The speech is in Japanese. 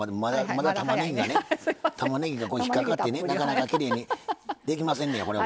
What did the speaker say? まだたまねぎが引っ掛かってなかなかきれいにできませんのや。